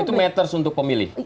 dan itu matters untuk pemilih